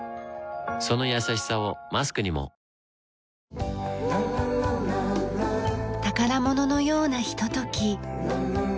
そのやさしさをマスクにも宝物のようなひととき。